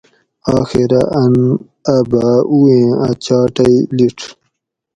آخیرہ ان اۤ باۤ اویٔں اۤ چاۤ ٹئ لیڄ